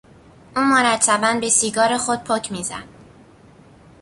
او مرتبا به سیگار خود پک میزد.